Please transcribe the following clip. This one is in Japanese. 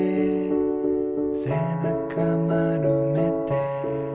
「背中丸めて」